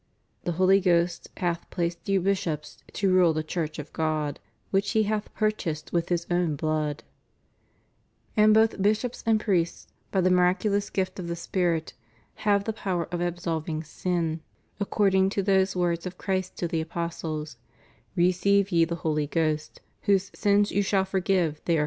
The Holy Ghost hath placed you bishops to rule the Church of God, which He hath purchased with His own blood* And both bishops and priests, by the miraculous gift of the Spirit, have the power of absolving sins, accord ing to those words of Christ to the apostles: Receive ye the Holy Ghost ; whose sins you shall forgive they are for 1 In Matt.